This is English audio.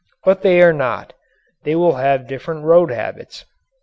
But they are not. They will have different road habits.